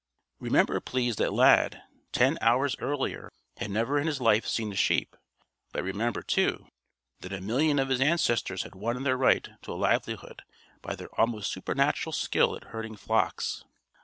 Remember, please, that Lad, ten hours earlier, had never in his life seen a sheep. But remember, too, that a million of his ancestors had won their right to a livelihood by their almost supernatural skill at herding flocks.